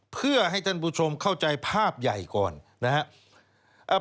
เพื่อให้ท่านผู้ชมเข้าใจภาพใหญ่ก่อนนะครับ